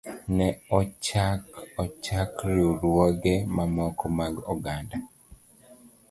Ne ochak ochak riwruoge mamoko mag oganda.